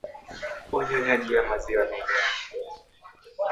Unyonyaji wa maziwa mengi